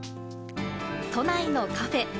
都内のカフェ。